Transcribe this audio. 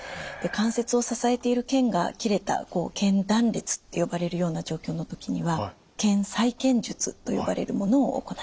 関節を支えている腱が切れた腱断裂って呼ばれるような状況の時には腱再建術と呼ばれるものを行います。